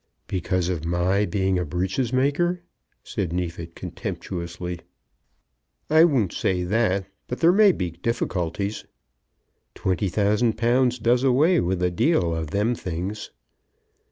"Because of my being a breeches maker?" said Neefit contemptuously. "I won't say that; but there may be difficulties." "Twenty thousand pounds does away with a deal of them things."